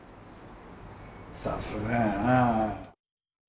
さすがやな。